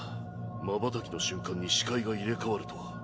まばたきの瞬間に視界が入れ代わるとは。